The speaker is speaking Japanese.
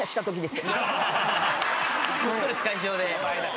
ストレス解消で。